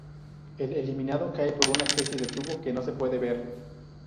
El eliminado cae por una especie de tubo que no se puede ver.